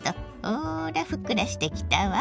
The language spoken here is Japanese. ほらふっくらしてきたわ。